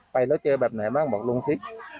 ไปเจอแบบไหนบ้างบอกลุงสิ